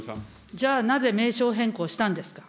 じゃあなぜ名称変更したんですか。